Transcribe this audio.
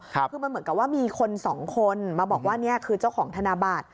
คือมันเหมือนกับว่ามีคนสองคนมาบอกว่านี่คือเจ้าของธนบัตร